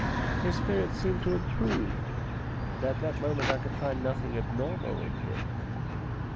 His spirits seemed to improve, and at the moment I could find nothing abnormal in him.